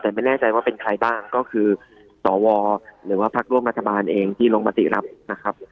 แต่ไม่แน่ใจว่าเป็นใครบ้างก็คือสวหรือว่าพักร่วมรัฐบาลเองที่ลงมติรับนะครับ